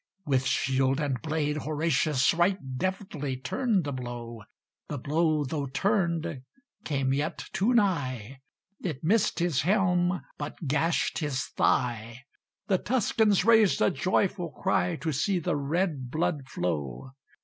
With shield and blade Horatius Right deftly turned the blow: The blow, though turned, came yet too nigh; It missed his helm, but gashed his thigh: The Tuscans raised a joyful cry To see the red blood flow.